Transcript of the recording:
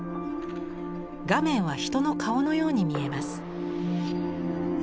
画面は人の顔のように見えます。